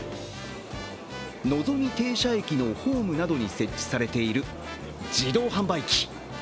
のぞみ停車駅のホームなどに設置されている自動販売機。